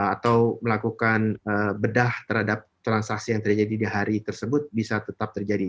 atau melakukan bedah terhadap transaksi yang terjadi di hari tersebut bisa tetap terjadi